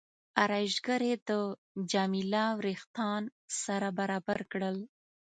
ارایشګرې د جميله وریښتان سره برابر کړل.